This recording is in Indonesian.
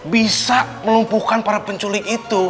bisa melumpuhkan para penculik itu